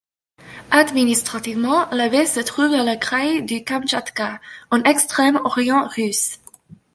Administrativement, la baie se trouve dans le kraï du Kamtchatka, en Extrême-Orient russe.